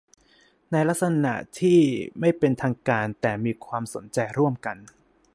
ในลักษณะที่ไม่เป็นทางการแต่มีความสนใจร่วมกัน